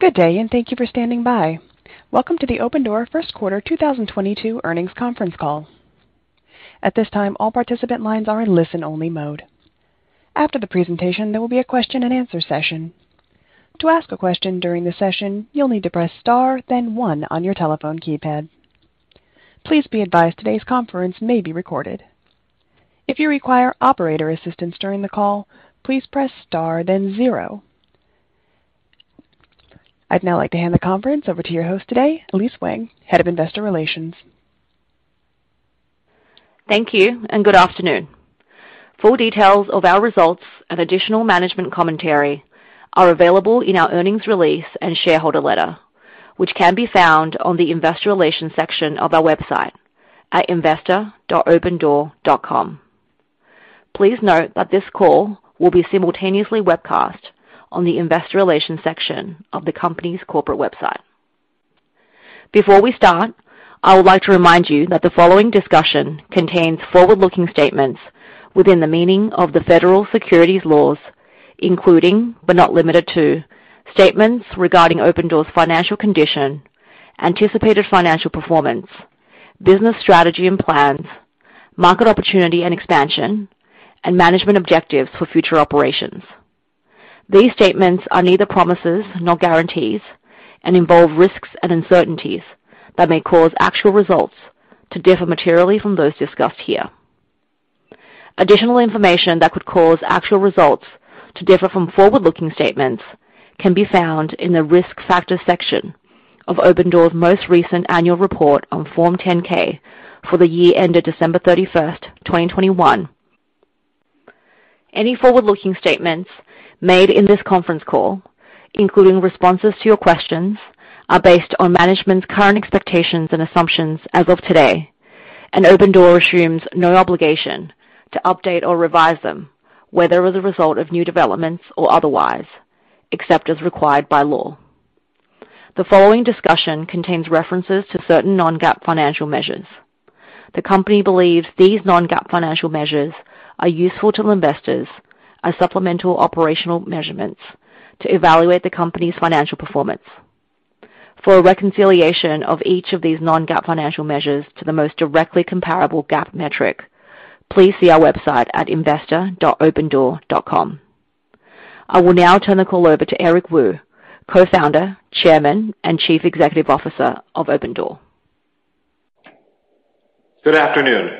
Good day, and thank you for standing by. Welcome to the Opendoor First Quarter 2022 Earnings Conference Call. At this time, all participant lines are in listen only mode. After the presentation, there will be a question and answer session. To ask a question during the session, you'll need to press star, then one on your telephone keypad. Please be advised today's conference may be recorded. If you require operator assistance during the call, please press star, then zero. I'd now like to hand the conference over to your host today, Elise Wang, Head of Investor Relations. Thank you and good afternoon. Full details of our results and additional management commentary are available in our earnings release and shareholder letter, which can be found on the investor relations section of our website at investor.opendoor.com. Please note that this call will be simultaneously webcast on the investor relations section of the company's corporate website. Before we start, I would like to remind you that the following discussion contains forward-looking statements within the meaning of the federal securities laws, including but not limited to, statements regarding Opendoor's financial condition, anticipated financial performance, business strategy and plans, market opportunity and expansion, and management objectives for future operations. These statements are neither promises nor guarantees and involve risks and uncertainties that may cause actual results to differ materially from those discussed here. Additional information that could cause actual results to differ from forward-looking statements can be found in the Risk Factors section of Opendoor's most recent annual report on Form 10-K for the year ended December 31st, 2021. Any forward-looking statements made in this conference call, including responses to your questions, are based on management's current expectations and assumptions as of today, and Opendoor assumes no obligation to update or revise them, whether as a result of new developments or otherwise, except as required by law. The following discussion contains references to certain non-GAAP financial measures. The company believes these non-GAAP financial measures are useful to investors as supplemental operational measurements to evaluate the company's financial performance. For a reconciliation of each of these non-GAAP financial measures to the most directly comparable GAAP metric, please see our website at investor.opendoor.com. I will now turn the call over to Eric Wu, Co-founder, Chairman, and Chief Executive Officer of Opendoor. Good afternoon.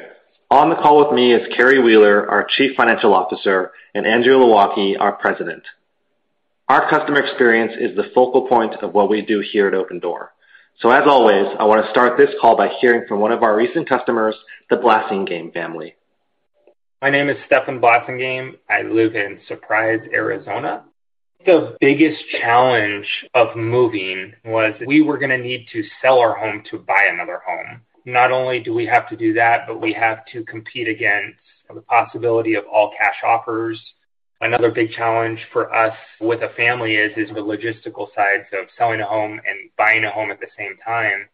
On the call with me is Carrie Wheeler, our Chief Financial Officer, and Andrew Low Ah Kee, our President. Our customer experience is the focal point of what we do here at Opendoor. As always, I wanna start this call by hearing from one of our recent customers, the Blasingame family. My name is Stefen Blasingame. I live in Surprise, Arizona. The biggest challenge of moving was we were gonna need to sell our home to buy another home. Not only do we have to do that, but we have to compete against the possibility of all cash offers. Another big challenge for us with a family is the logistical sides of selling a home and buying a home at the same time.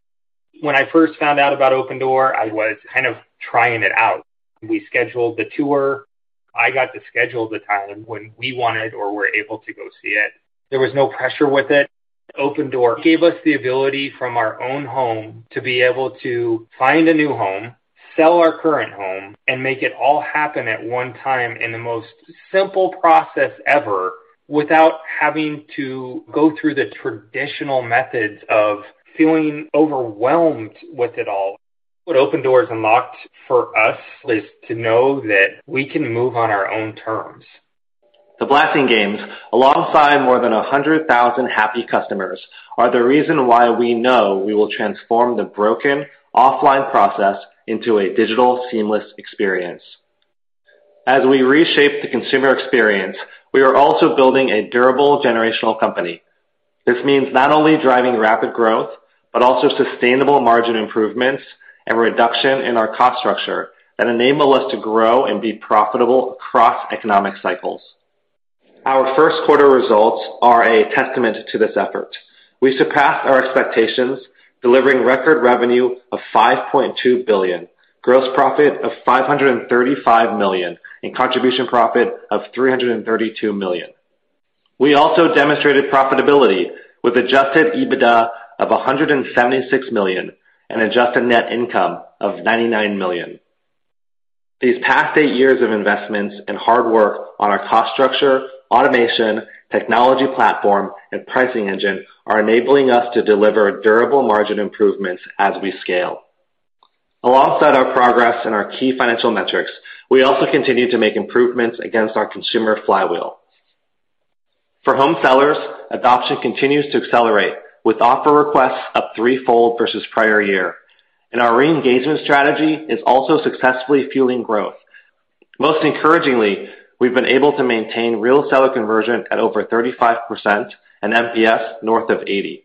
When I first found out about Opendoor, I was kind of trying it out. We scheduled the tour. I got to schedule the time when we wanted or were able to go see it. There was no pressure with it. Opendoor gave us the ability from our own home to be able to find a new home, sell our current home, and make it all happen at one time in the most simple process ever without having to go through the traditional methods of feeling overwhelmed with it all. What Opendoor's unlocked for us is to know that we can move on our own terms. The Blasingames, alongside more than 100,000 happy customers, are the reason why we know we will transform the broken offline process into a digital seamless experience. As we reshape the consumer experience, we are also building a durable generational company. This means not only driving rapid growth, but also sustainable margin improvements and reduction in our cost structure that enable us to grow and be profitable across economic cycles. Our first quarter results are a testament to this effort. We surpassed our expectations, delivering record revenue of $5.2 billion, gross profit of $535 million, and contribution profit of $332 million. We also demonstrated profitability with adjusted EBITDA of $176 million and adjusted net income of $99 million. These past eight years of investments and hard work on our cost structure, automation, technology platform, and pricing engine are enabling us to deliver durable margin improvements as we scale. Alongside our progress in our key financial metrics, we also continue to make improvements against our consumer flywheel. For home sellers, adoption continues to accelerate, with offer requests up threefold versus prior year, and our re-engagement strategy is also successfully fueling growth. Most encouragingly, we've been able to maintain real seller conversion at over 35% and NPS north of 80.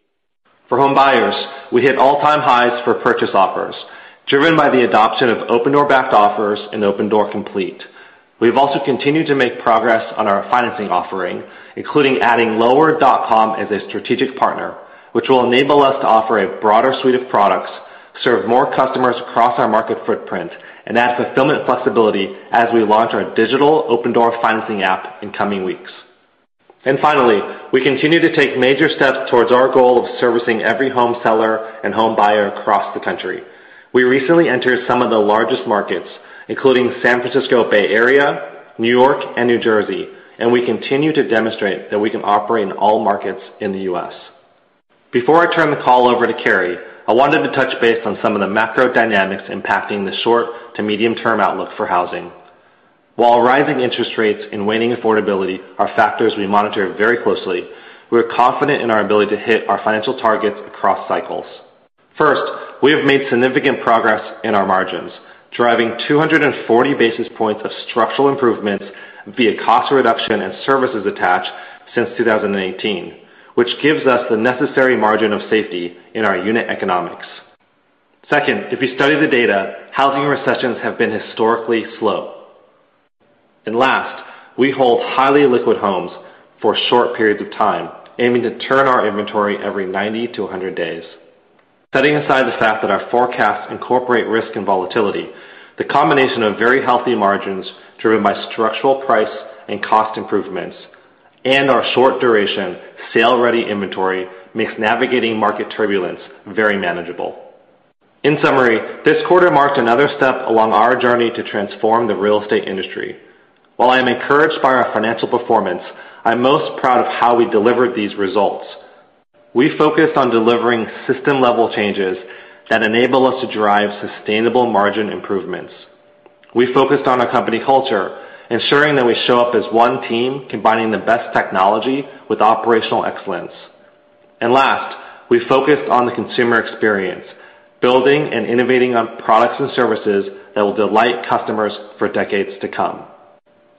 For home buyers, we hit all-time highs for purchase offers, driven by the adoption of Opendoor Backed Offers and Opendoor Complete. We've also continued to make progress on our financing offering, including adding lower.com as a strategic partner, which will enable us to offer a broader suite of products, serve more customers across our market footprint, and add fulfillment flexibility as we launch our digital Opendoor financing app in coming weeks. Finally, we continue to take major steps towards our goal of servicing every home seller and home buyer across the country. We recently entered some of the largest markets, including San Francisco Bay Area, New York and New Jersey, and we continue to demonstrate that we can operate in all markets in the U.S. Before I turn the call over to Carrie, I wanted to touch base on some of the macro dynamics impacting the short to medium-term outlook for housing. While rising interest rates and waning affordability are factors we monitor very closely, we're confident in our ability to hit our financial targets across cycles. First, we have made significant progress in our margins, driving 240 basis points of structural improvements via cost reduction and services attached since 2018, which gives us the necessary margin of safety in our unit economics. Second, if you study the data, housing recessions have been historically slow. Last, we hold highly liquid homes for short periods of time, aiming to turn our inventory every 90 to 100 days. Setting aside the fact that our forecasts incorporate risk and volatility, the combination of very healthy margins driven by structural price and cost improvements and our short duration sale-ready inventory makes navigating market turbulence very manageable. In summary, this quarter marked another step along our journey to transform the real estate industry. While I am encouraged by our financial performance, I'm most proud of how we delivered these results. We focused on delivering system-level changes that enable us to drive sustainable margin improvements. We focused on our company culture, ensuring that we show up as one team, combining the best technology with operational excellence. Last, we focused on the consumer experience, building and innovating on products and services that will delight customers for decades to come.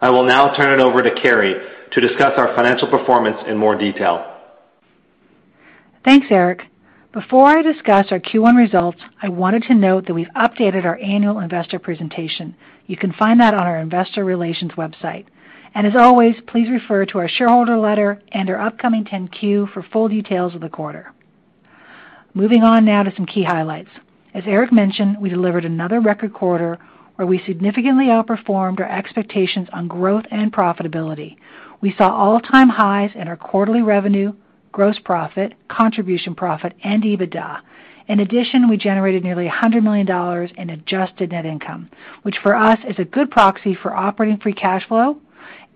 I will now turn it over to Carrie to discuss our financial performance in more detail. Thanks, Eric. Before I discuss our Q1 results, I wanted to note that we've updated our annual investor presentation. You can find that on our investor relations website. As always, please refer to our shareholder letter and our upcoming Form 10-Q for full details of the quarter. Moving on now to some key highlights. As Eric mentioned, we delivered another record quarter where we significantly outperformed our expectations on growth and profitability. We saw all-time highs in our quarterly revenue, gross profit, contribution profit and EBITDA. In addition, we generated nearly $100 million in adjusted net income, which for us is a good proxy for operating free cash flow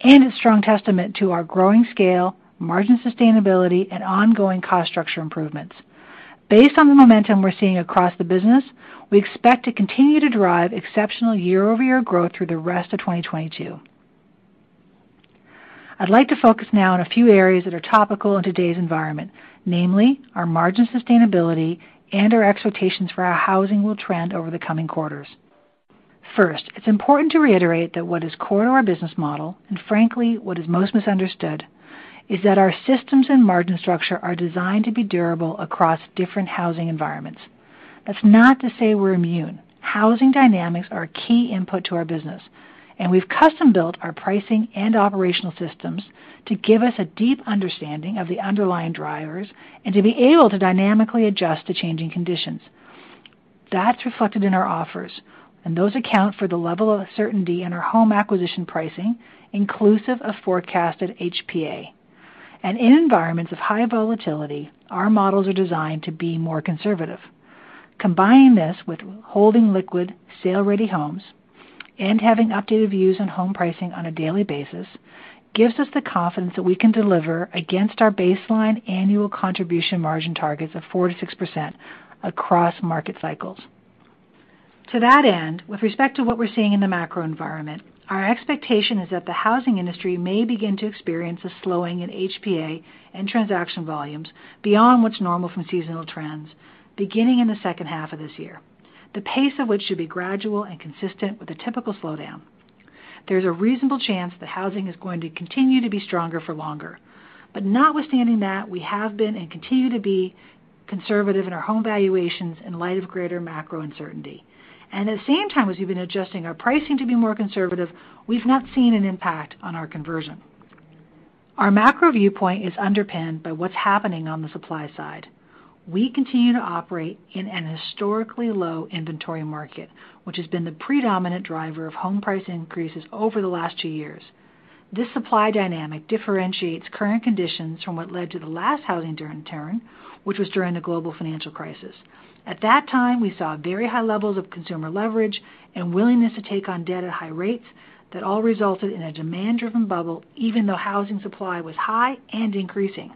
and a strong testament to our growing scale, margin sustainability and ongoing cost structure improvements. Based on the momentum we're seeing across the business, we expect to continue to drive exceptional year-over-year growth through the rest of 2022. I'd like to focus now on a few areas that are topical in today's environment, namely our margin sustainability and our expectations for how housing will trend over the coming quarters. First, it's important to reiterate that what is core to our business model, and frankly, what is most misunderstood, is that our systems and margin structure are designed to be durable across different housing environments. That's not to say we're immune. Housing dynamics are a key input to our business, and we've custom-built our pricing and operational systems to give us a deep understanding of the underlying drivers and to be able to dynamically adjust to changing conditions. That's reflected in our offers, and those account for the level of certainty in our home acquisition pricing, inclusive of forecasted HPA. In environments of high volatility, our models are designed to be more conservative. Combining this with holding liquid sale-ready homes and having updated views on home pricing on a daily basis gives us the confidence that we can deliver against our baseline annual contribution margin targets of 4%-6% across market cycles. To that end, with respect to what we're seeing in the macro environment, our expectation is that the housing industry may begin to experience a slowing in HPA and transaction volumes beyond what's normal from seasonal trends beginning in the second half of this year, the pace of which should be gradual and consistent with a typical slowdown. There's a reasonable chance that housing is going to continue to be stronger for longer. Notwithstanding that, we have been and continue to be conservative in our home valuations in light of greater macro uncertainty. At the same time, as we've been adjusting our pricing to be more conservative, we've not seen an impact on our conversion. Our macro viewpoint is underpinned by what's happening on the supply side. We continue to operate in an historically low inventory market, which has been the predominant driver of home price increases over the last two years. This supply dynamic differentiates current conditions from what led to the last housing downturn, which was during the global financial crisis. At that time, we saw very high levels of consumer leverage and willingness to take on debt at high rates that all resulted in a demand-driven bubble, even though housing supply was high and increasing.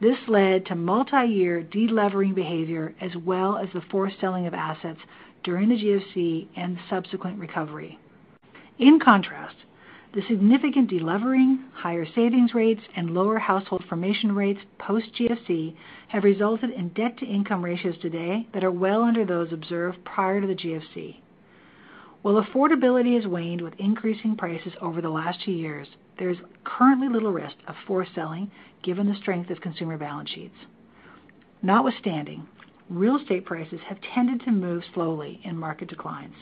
This led to multi-year de-levering behavior as well as the forced selling of assets during the GFC and subsequent recovery. In contrast, the significant de-levering, higher savings rates, and lower household formation rates post-GFC have resulted in debt-to-income ratios today that are well under those observed prior to the GFC. While affordability has waned with increasing prices over the last two years, there is currently little risk of forced selling given the strength of consumer balance sheets. Notwithstanding, real estate prices have tended to move slowly in market declines.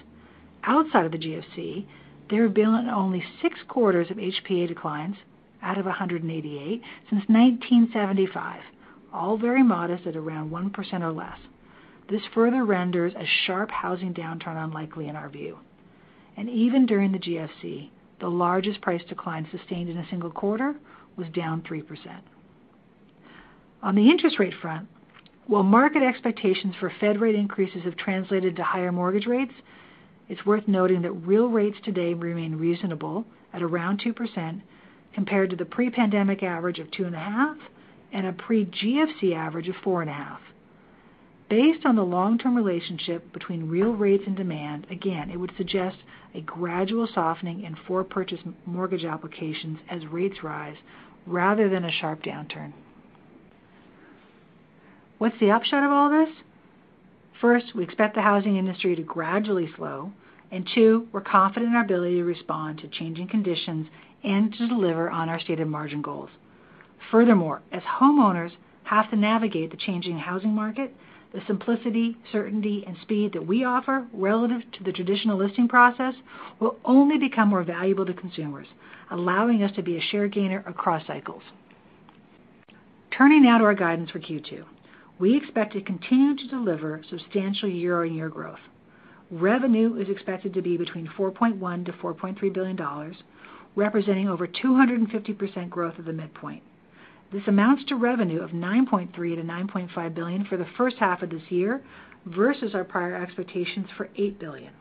Outside of the GFC, there have been only six quarters of HPA declines out of 188 since 1975, all very modest at around 1% or less. This further renders a sharp housing downturn unlikely in our view. Even during the GFC, the largest price decline sustained in a single quarter was down 3%. On the interest rate front, while market expectations for Fed rate increases have translated to higher mortgage rates, it's worth noting that real rates today remain reasonable at around 2% compared to the pre-pandemic average of 2.5% and a pre-GFC average of 4.5%. Based on the long-term relationship between real rates and demand, again, it would suggest a gradual softening in purchase mortgage applications as rates rise rather than a sharp downturn. What's the upshot of all this? First, we expect the housing industry to gradually slow, and two, we're confident in our ability to respond to changing conditions and to deliver on our stated margin goals. Furthermore, as homeowners have to navigate the changing housing market, the simplicity, certainty, and speed that we offer relative to the traditional listing process will only become more valuable to consumers, allowing us to be a share gainer across cycles. Turning now to our guidance for Q2. We expect to continue to deliver substantial year-on-year growth. Revenue is expected to be between $4.1 billion-$4.3 billion, representing over 250% growth of the midpoint. This amounts to revenue of $9.3 billion-$9.5 billion for the first half of this year versus our prior expectations for $8 billion.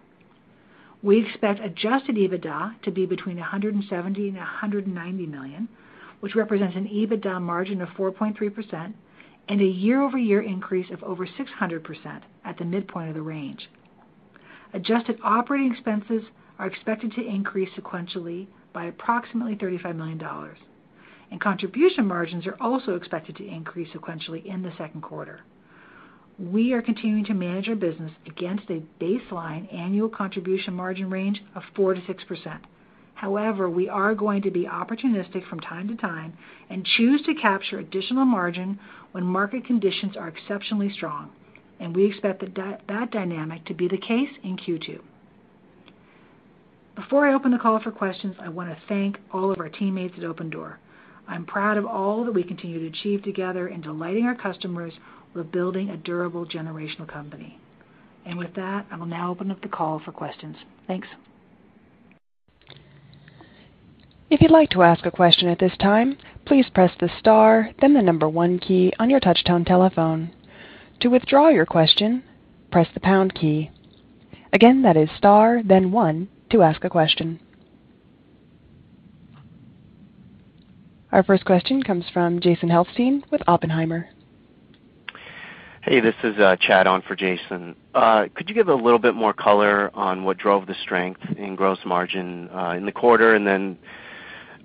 We expect adjusted EBITDA to be between $170 million and $190 million, which represents an EBITDA margin of 4.3% and a year-over-year increase of over 600% at the midpoint of the range. Adjusted operating expenses are expected to increase sequentially by approximately $35 million, and contribution margins are also expected to increase sequentially in the second quarter. We are continuing to manage our business against a baseline annual contribution margin range of 4%-6%. However, we are going to be opportunistic from time to time and choose to capture additional margin when market conditions are exceptionally strong, and we expect that that dynamic to be the case in Q2. Before I open the call for questions, I want to thank all of our teammates at Opendoor. I'm proud of all that we continue to achieve together in delighting our customers while building a durable generational company. With that, I will now open up the call for questions. Thanks. If you'd like to ask a question at this time, please press the star, then the number one key on your touch-tone telephone. To withdraw your question, press the pound key. Again, that is star then one to ask a question. Our first question comes from Jason Helfstein with Oppenheimer. Hey, this is Chad on for Jason. Could you give a little bit more color on what drove the strength in gross margin in the quarter and then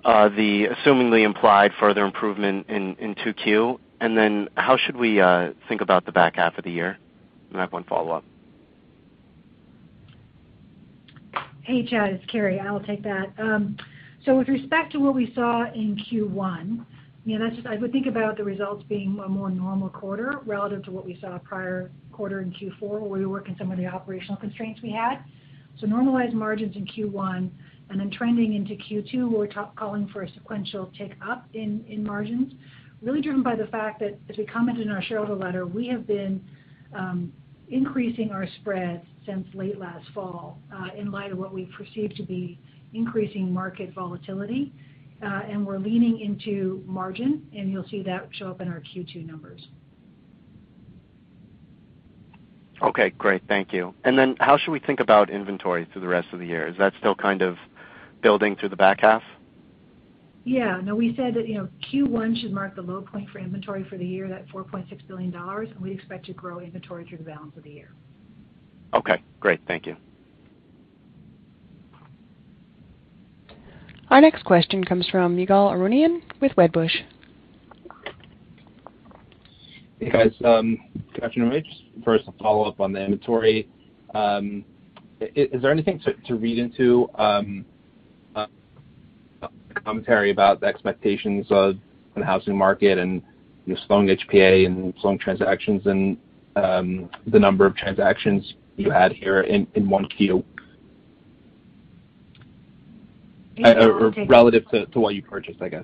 the presumably implied further improvement in 2Q? How should we think about the back half of the year? I have one follow-up. Hey, Chad, it's Carrie. I'll take that. With respect to what we saw in Q1, you know, that's just, I would think about the results being a more normal quarter relative to what we saw prior quarter in Q4, where we were working some of the operational constraints we had. Normalized margins in Q1 and then trending into Q2, we're calling for a sequential tick up in margins, really driven by the fact that as we commented in our shareholder letter, we have been increasing our spreads since late last fall, in light of what we perceive to be increasing market volatility, and we're leaning into margin, and you'll see that show up in our Q2 numbers. Okay, great. Thank you. How should we think about inventory through the rest of the year? Is that still kind of building through the back half? Yeah. No, we said that, you know, Q1 should mark the low point for inventory for the year, that $4.6 billion, and we expect to grow inventory through the balance of the year. Okay, great. Thank you. Our next question comes from Ygal Arounian with Wedbush. Hey, guys. Carrie and Eric, first a follow-up on the inventory. Is there anything to read into commentary about the expectations of the housing market and, you know, slowing HPA and slowing transactions and the number of transactions you had here in 1Q or relative to what you purchased, I guess?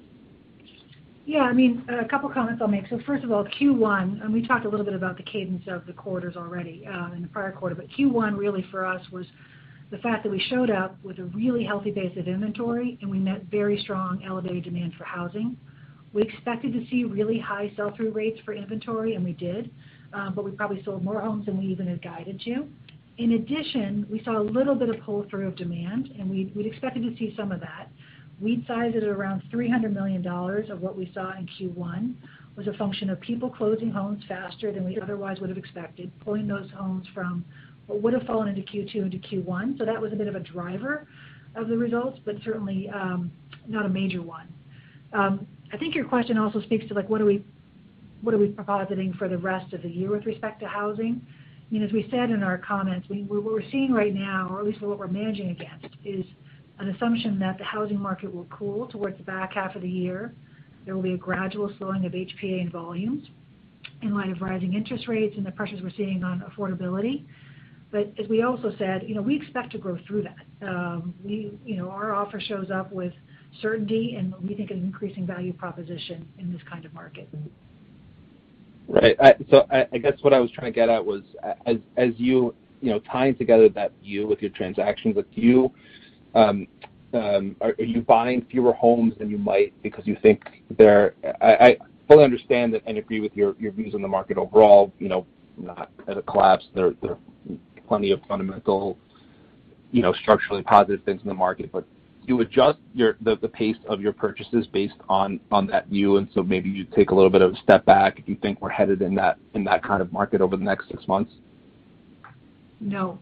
Yeah. I mean, a couple comments I'll make. First of all, Q1, and we talked a little bit about the cadence of the quarters already, in the prior quarter. Q1 really for us was the fact that we showed up with a really healthy base of inventory, and we met very strong elevated demand for housing. We expected to see really high sell-through rates for inventory, and we did. We probably sold more homes than we even had guided to. In addition, we saw a little bit of pull-through of demand, and we'd expected to see some of that. We'd sized it around $300 million of what we saw in Q1, was a function of people closing homes faster than we otherwise would have expected, pulling those homes from what would have fallen into Q2 into Q1. That was a bit of a driver of the results, but certainly, not a major one. I think your question also speaks to, like, what are we positing for the rest of the year with respect to housing. I mean, as we said in our comments, I mean, what we're seeing right now, or at least what we're managing against, is an assumption that the housing market will cool towards the back half of the year. There will be a gradual slowing of HPA and volumes. In light of rising interest rates and the pressures we're seeing on affordability. As we also said, you know, we expect to grow through that. We, you know, our offer shows up with certainty and what we think is an increasing value proposition in this kind of market. Right. I guess what I was trying to get at was, as you know, tying together that view with your transactions. Are you buying fewer homes than you might because you think they're? I fully understand that and agree with your views on the market overall, you know, not as a collapse. There are plenty of fundamental, you know, structurally positive things in the market. Do you adjust the pace of your purchases based on that view, and so maybe you take a little bit of a step back if you think we're headed in that kind of market over the next six months? No.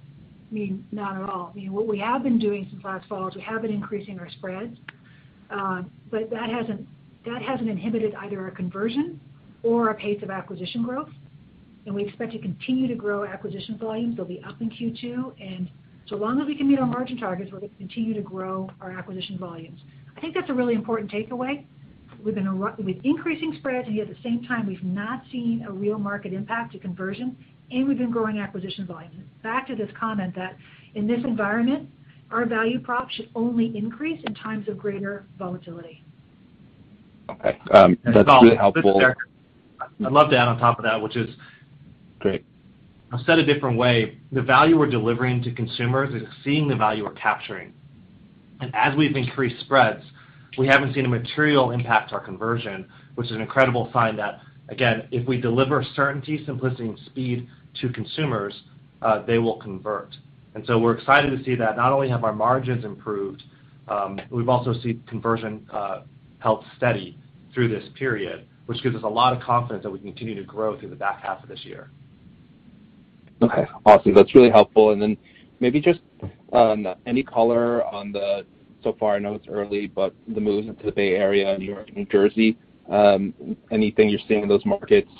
I mean, not at all. I mean, what we have been doing since last fall is we have been increasing our spreads. But that hasn't inhibited either our conversion or our pace of acquisition growth, and we expect to continue to grow acquisition volumes. They'll be up in Q2, and so long as we can meet our margin targets, we're gonna continue to grow our acquisition volumes. I think that's a really important takeaway. We've been with increasing spreads, and yet at the same time, we've not seen a real market impact to conversion, and we've been growing acquisition volumes. Back to this comment that in this environment, our value prop should only increase in times of greater volatility. Okay. That's really helpful. Ygal, this is Eric. I'd love to add on top of that, which is. Great I'll say it a different way. The value we're delivering to consumers is seeing the value we're capturing. As we've increased spreads, we haven't seen a material impact to our conversion, which is an incredible sign that, again, if we deliver certainty, simplicity, and speed to consumers, they will convert. We're excited to see that not only have our margins improved, we've also seen conversion held steady through this period, which gives us a lot of confidence that we can continue to grow through the back half of this year. Okay. Awesome. That's really helpful. Then maybe just any color on the, so far I know it's early, but the movement to the Bay Area, New York, New Jersey, anything you're seeing in those markets,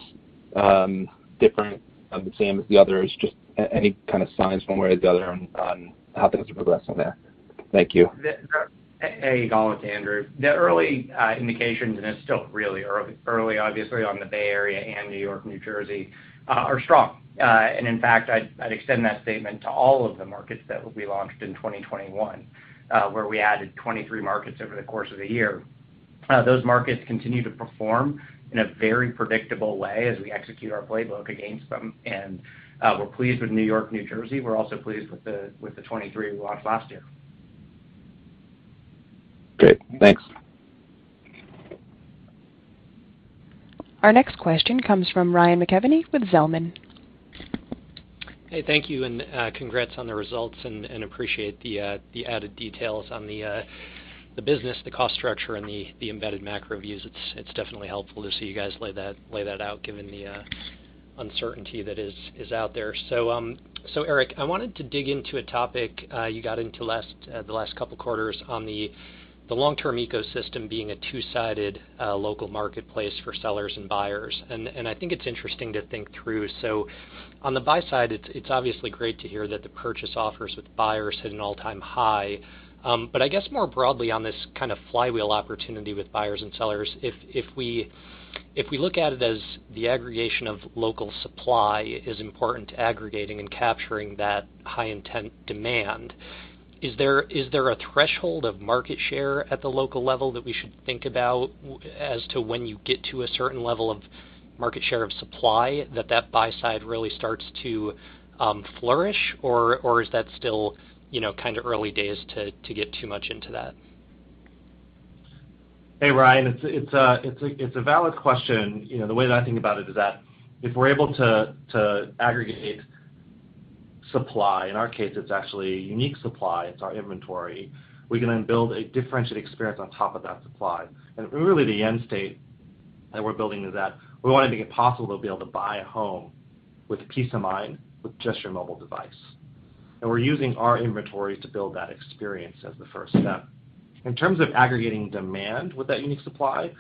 different or the same as the others? Just any kind of signs one way or the other on, how things are progressing there. Thank you. Hey, Ygal, it's Andrew. The early indications, and it's still really early, obviously on the Bay Area and New York, New Jersey, are strong. In fact, I'd extend that statement to all of the markets that we launched in 2021, where we added 23 markets over the course of the year. Those markets continue to perform in a very predictable way as we execute our playbook against them. We're pleased with New York, New Jersey. We're also pleased with the 23 we launched last year. Great. Thanks. Our next question comes from Ryan McKeveny with Zelman. Hey, thank you, and congrats on the results and appreciate the added details on the business, the cost structure, and the embedded macro views. It's definitely helpful to see you guys lay that out given the uncertainty that is out there. Eric, I wanted to dig into a topic you got into last couple quarters on the long-term ecosystem being a two-sided local marketplace for sellers and buyers. I think it's interesting to think through. On the buy side, it's obviously great to hear that the purchase offers with buyers hit an all-time high. I guess more broadly on this kind of flywheel opportunity with buyers and sellers, if we look at it as the aggregation of local supply is important to aggregating and capturing that high intent demand, is there a threshold of market share at the local level that we should think about as to when you get to a certain level of market share of supply that buy side really starts to flourish, or is that still, you know, kind of early days to get too much into that? Hey, Ryan. It's a valid question. You know, the way that I think about it is that if we're able to aggregate supply, in our case, it's actually unique supply, it's our inventory, we can then build a differentiated experience on top of that supply. Really the end state that we're building is that we wanna make it possible to be able to buy a home with peace of mind with just your mobile device. We're using our inventory to build that experience as the first step. In terms of aggregating demand with that unique supply,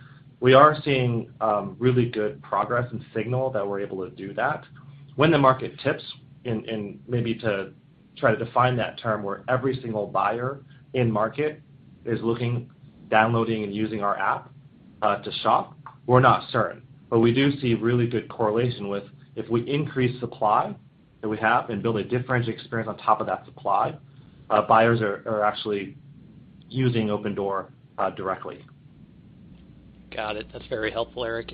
we are seeing really good progress and signal that we're able to do that. When the market tips, and maybe to try to define that term, where every single buyer in market is looking, downloading, and using our app to shop, we're not certain. We do see really good correlation with if we increase supply that we have and build a differentiated experience on top of that supply, buyers are actually using Opendoor directly. Got it. That's very helpful, Eric.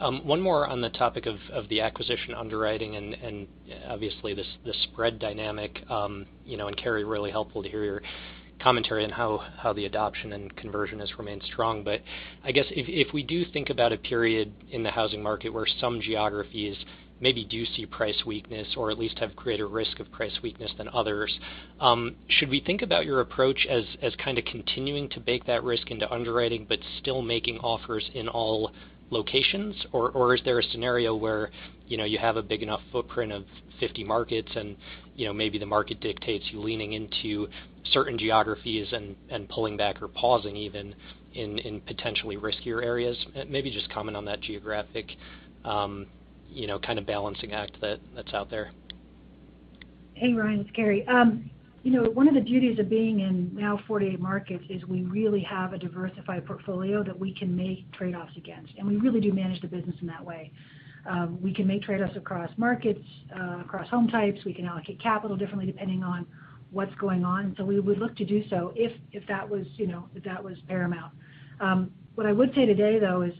One more on the topic of the acquisition underwriting and obviously the spread dynamic, you know, and Carrie, really helpful to hear your commentary on how the adoption and conversion has remained strong. I guess if we do think about a period in the housing market where some geographies maybe do see price weakness or at least have greater risk of price weakness than others, should we think about your approach as kind of continuing to bake that risk into underwriting but still making offers in all locations? Or is there a scenario where, you know, you have a big enough footprint of 50 markets and, you know, maybe the market dictates you leaning into certain geographies and pulling back or pausing even in potentially riskier areas? Maybe just comment on that geographic, you know, kind of balancing act that that's out there. Hey, Ryan, it's Carrie. You know, one of the beauties of being in now 48 markets is we really have a diversified portfolio that we can make trade-offs against, and we really do manage the business in that way. We can make trade-offs across markets, across home types. We can allocate capital differently depending on what's going on. We would look to do so if that was paramount. What I would say today, though, is,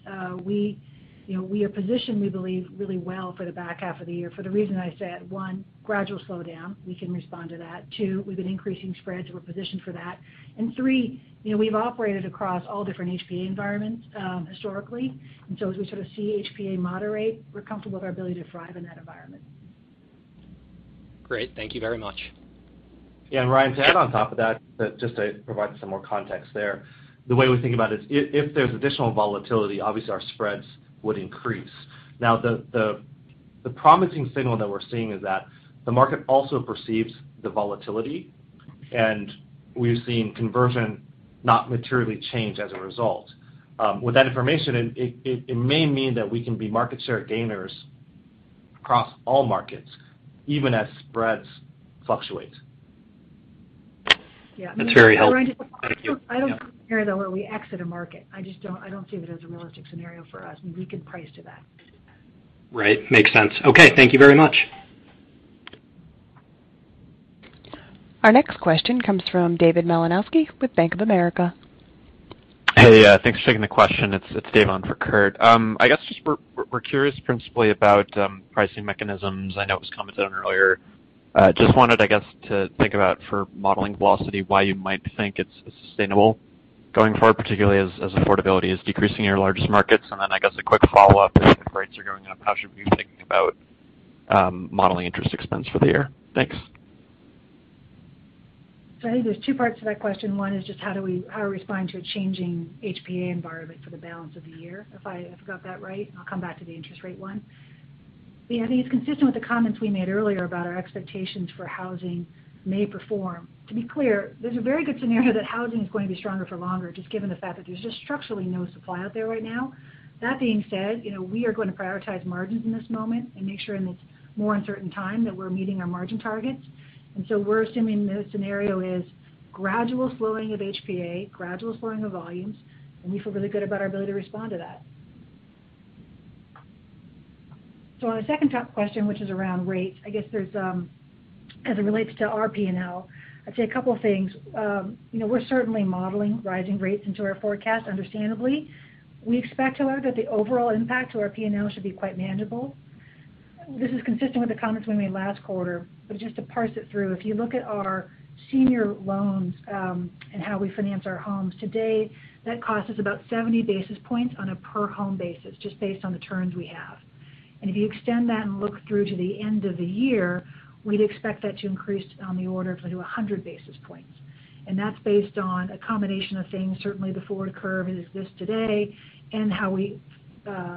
you know, we are positioned, we believe, really well for the back half of the year for the reason I said. One, gradual slowdown, we can respond to that. Two, we've been increasing spreads, we're positioned for that. And three, you know, we've operated across all different HPA environments historically. As we sort of see HPA moderate, we're comfortable with our ability to thrive in that environment. Great. Thank you very much. Yeah. Ryan, to add on top of that, just to provide some more context there. The way we think about it, if there's additional volatility, obviously, our spreads would increase. Now, the promising signal that we're seeing is that the market also perceives the volatility, and we've seen conversion not materially change as a result. With that information, it may mean that we can be market share gainers across all markets, even as spreads fluctuate. Yeah. That's very helpful. Thank you. I don't compare though where we exit a market. I just don't see it as a realistic scenario for us, and we can price to that. Right. Makes sense. Okay, thank you very much. Our next question comes from David Malinowski with Bank of America. Hey. Thanks for taking the question. It's Dave on for Kurt. I guess just we're curious principally about pricing mechanisms. I know it was commented on earlier. Just wanted, I guess, to think about for modeling velocity, why you might think it's sustainable going forward, particularly as affordability is decreasing in your largest markets. Then I guess a quick follow-up, if rates are going up, how should we be thinking about modeling interest expense for the year? Thanks. I think there's two parts to that question. One is just how are we responding to a changing HPA environment for the balance of the year, if I got that right, and I'll come back to the interest rate one. Yeah, I think it's consistent with the comments we made earlier about our expectations for housing may perform. To be clear, there's a very good scenario that housing is going to be stronger for longer, just given the fact that there's just structurally no supply out there right now. That being said, you know, we are going to prioritize margins in this moment and make sure in this more uncertain time that we're meeting our margin targets. We're assuming the scenario is gradual slowing of HPA, gradual slowing of volumes, and we feel really good about our ability to respond to that. On the second top question, which is around rates, I guess there's, as it relates to our P&L, I'd say a couple of things. You know, we're certainly modeling rising rates into our forecast, understandably. We expect, however, that the overall impact to our P&L should be quite manageable. This is consistent with the comments we made last quarter. Just to parse it through, if you look at our senior loans, and how we finance our homes today, that costs us about 70 basis points on a per-home basis, just based on the terms we have. If you extend that and look through to the end of the year, we'd expect that to increase on the order of maybe 100 basis points. That's based on a combination of things. Certainly, the forward curve as it exists today and how we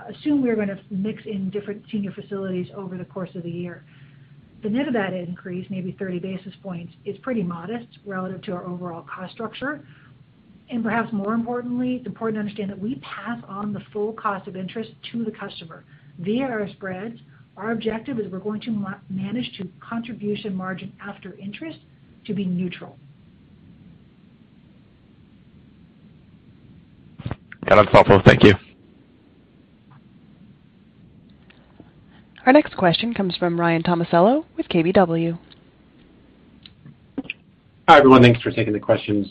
assume we are gonna mix in different senior facilities over the course of the year. The net of that increase, maybe 30 basis points, is pretty modest relative to our overall cost structure. Perhaps more importantly, it's important to understand that we pass on the full cost of interest to the customer via our spreads. Our objective is we're going to manage to contribution margin after interest to be neutral. Got it. On top of. Thank you. Our next question comes from Ryan Tomasello with KBW. Hi, everyone. Thanks for taking the questions.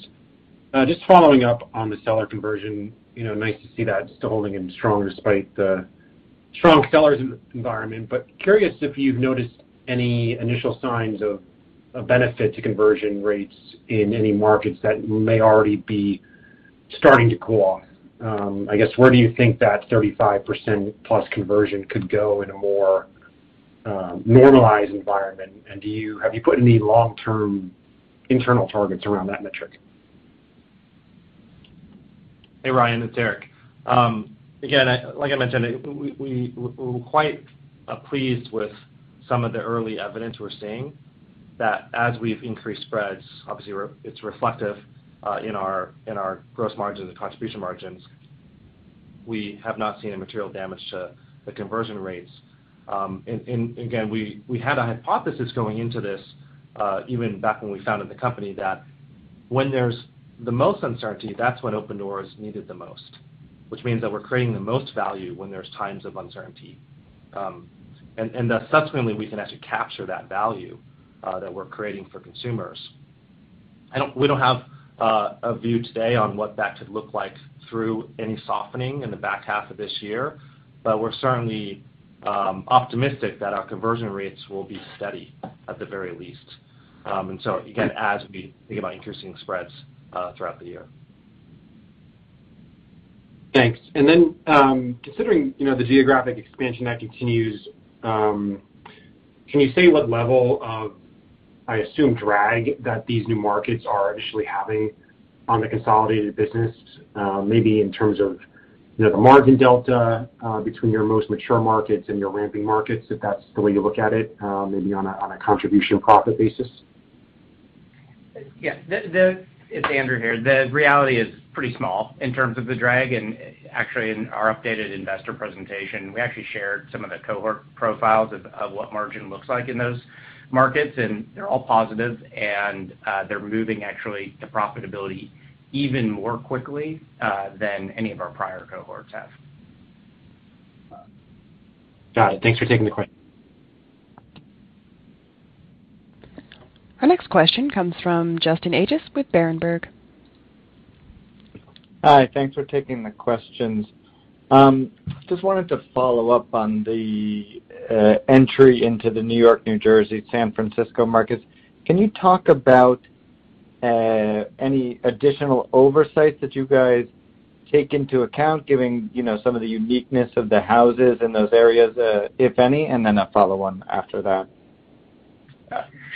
Just following up on the seller conversion, you know, nice to see that still holding strong despite the strong sellers environment. Curious if you've noticed any initial signs of a benefit to conversion rates in any markets that may already be starting to cool off. I guess, where do you think that 35%+ conversion could go in a more normalized environment? Have you put any long-term internal targets around that metric? Hey, Ryan, it's Eric. Again, like I mentioned, we're quite pleased with some of the early evidence we're seeing that as we've increased spreads, obviously, it's reflective in our gross margins and contribution margins. We have not seen a material damage to the conversion rates. And again, we had a hypothesis going into this, even back when we founded the company that when there's the most uncertainty, that's when Opendoor's needed the most. Which means that we're creating the most value when there's times of uncertainty. And that subsequently, we can actually capture that value that we're creating for consumers. We don't have a view today on what that could look like through any softening in the back half of this year, but we're certainly optimistic that our conversion rates will be steady at the very least. Again, as we think about increasing spreads throughout the year. Thanks. Considering, you know, the geographic expansion that continues, can you say what level of, I assume, drag that these new markets are initially having on the consolidated business, maybe in terms of, you know, the margin delta, between your most mature markets and your ramping markets, if that's the way you look at it, maybe on a contribution profit basis? Yes. It's Andrew here. The reality is pretty small in terms of the drag. Actually, in our updated investor presentation, we actually shared some of the cohort profiles of what margin looks like in those markets, and they're all positive. They're moving actually to profitability even more quickly than any of our prior cohorts have. Got it. Thanks for taking the question. Our next question comes from Justin Ages with Berenberg. Hi. Thanks for taking the questions. Just wanted to follow up on the entry into the New York, New Jersey, San Francisco markets. Can you talk about any additional oversight that you guys take into account, giving, you know, some of the uniqueness of the houses in those areas, if any, and then a follow-on after that.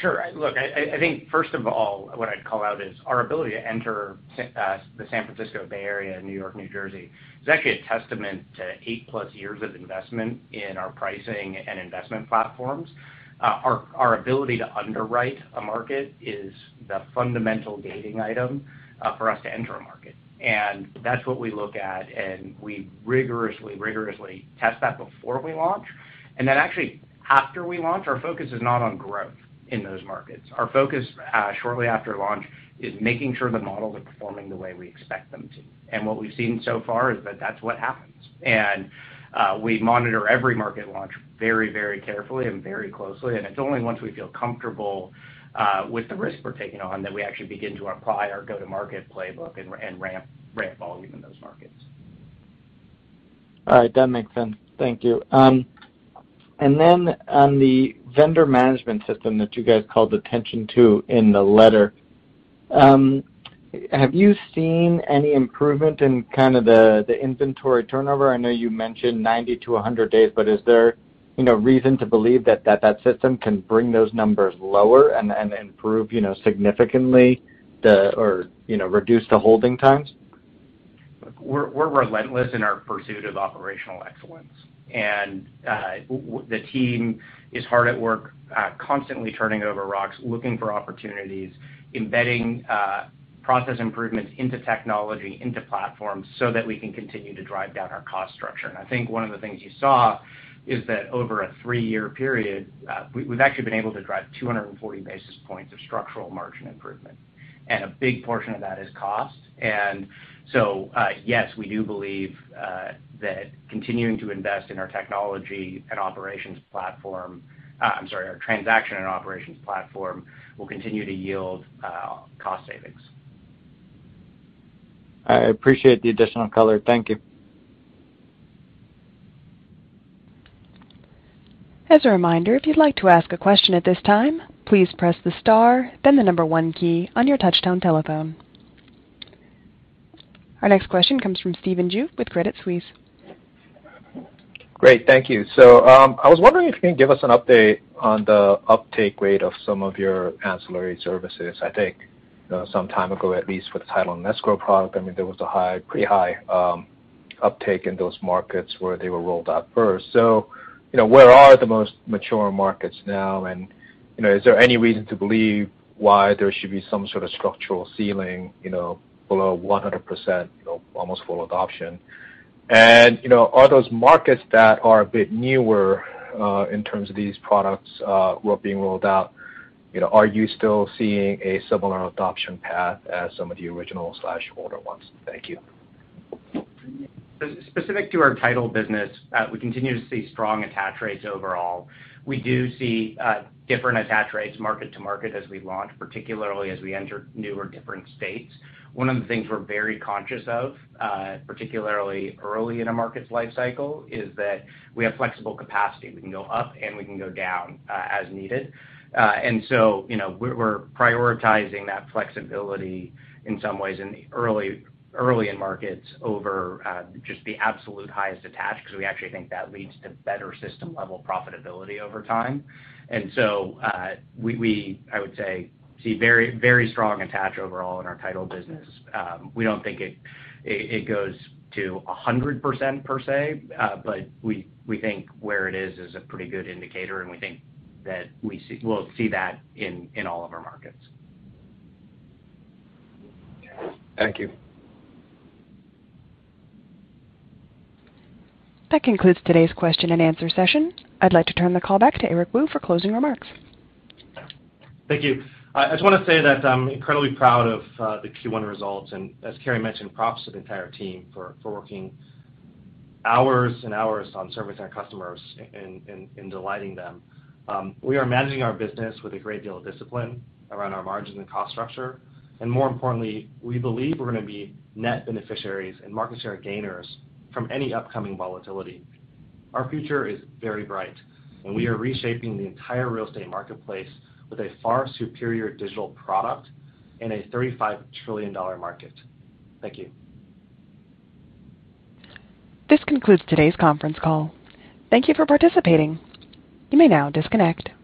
Sure. Look, I think first of all, what I'd call out is our ability to enter the San Francisco Bay Area, New York, New Jersey is actually a testament to eight plus years of investment in our pricing and investment platforms. Our ability to underwrite a market is the fundamental gating item for us to enter a market. That's what we look at, and we rigorously test that before we launch. Actually, after we launch, our focus is not on growth in those markets. Our focus shortly after launch is making sure the models are performing the way we expect them to. What we've seen so far is that that's what happens. We monitor every market launch very, very carefully and very closely, and it's only once we feel comfortable with the risk we're taking on that we actually begin to apply our go-to market playbook and ramp volume in those markets. All right. That makes sense. Thank you. Then on the vendor management system that you guys called attention to in the letter, have you seen any improvement in kind of the inventory turnover? I know you mentioned 90-100 days, but is there, you know, reason to believe that that system can bring those numbers lower and improve, you know, significantly or, you know, reduce the holding times? We're relentless in our pursuit of operational excellence. The team is hard at work, constantly turning over rocks, looking for opportunities, embedding process improvements into technology, into platforms, so that we can continue to drive down our cost structure. I think one of the things you saw is that over a three-year period, we've actually been able to drive 240 basis points of structural margin improvement. A big portion of that is cost. Yes, we do believe that continuing to invest in our technology and operations platform, I'm sorry, our transaction and operations platform will continue to yield cost savings. I appreciate the additional color. Thank you. As a reminder, if you'd like to ask a question at this time, please press the star, then the number one key on your touch-tone telephone. Our next question comes from Stephen Ju with Credit Suisse. Great. Thank you. I was wondering if you can give us an update on the uptake rate of some of your ancillary services. I think, you know, some time ago, at least with the title and escrow product, I mean, there was a high, pretty high, uptake in those markets where they were rolled out first. You know, where are the most mature markets now? You know, is there any reason to believe why there should be some sort of structural ceiling, you know, below 100%, you know, almost full adoption? You know, are those markets that are a bit newer, in terms of these products were being rolled out, you know, are you still seeing a similar adoption path as some of the original older ones? Thank you. Specific to our title business, we continue to see strong attach rates overall. We do see different attach rates market to market as we launch, particularly as we enter new or different states. One of the things we're very conscious of, particularly early in a market's life cycle, is that we have flexible capacity. We can go up, and we can go down, as needed. You know, we're prioritizing that flexibility in some ways in the early in markets over just the absolute highest attach because we actually think that leads to better system-level profitability over time. I would say we see very strong attach overall in our title business. We don't think it goes to 100% per se, but we think where it is a pretty good indicator, and we think that we'll see that in all of our markets. Thank you. That concludes today's question-and-answer session. I'd like to turn the call back to Eric Wu for closing remarks. Thank you. I just wanna say that I'm incredibly proud of the Q1 results. As Carrie mentioned, props to the entire team for working hours and hours on servicing our customers and delighting them. We are managing our business with a great deal of discipline around our margin and cost structure. More importantly, we believe we're gonna be net beneficiaries and market share gainers from any upcoming volatility. Our future is very bright, and we are reshaping the entire real estate marketplace with a far superior digital product in a $35 trillion market. Thank you. This concludes today's conference call. Thank you for participating. You may now disconnect.